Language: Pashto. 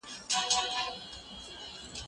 زه اوس واښه راوړم!؟